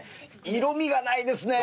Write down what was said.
色味がないですね。